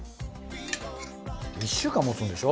１週間もつんでしょ？